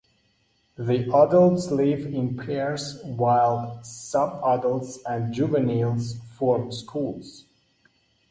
The adults live in pairs while subadults and juveniles form schools.